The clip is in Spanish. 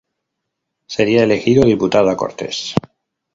Sería elegido diputado a Cortes.